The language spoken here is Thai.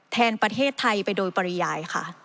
แทนประเทศไทยไปโดยปริยายค่ะ